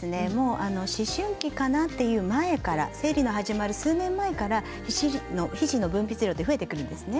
思春期かなという前から生理が始まる数年前から皮脂の分泌量は増えてくるんですね。